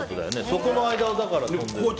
そこの間を跳んでる。